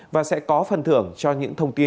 và sẽ có phần thưởng cho những thông tin